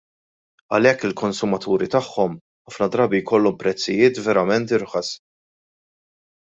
Għalhekk il-konsumaturi tagħhom, ħafna drabi jkollhom prezzijiet verament irħas.